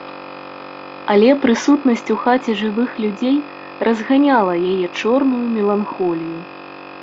Але прысутнасць у хаце жывых людзей разганяла яе чорную меланхолію.